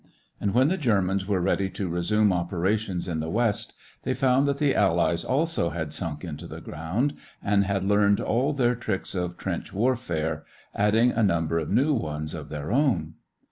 And when the Germans were ready to resume operations in the West, they found that the Allies also had sunk into the ground and had learned all their tricks of trench warfare, adding a number of new ones of their own.